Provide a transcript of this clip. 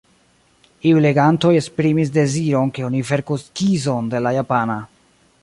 Iuj legantoj esprimis deziron ke oni verku skizon de la japana.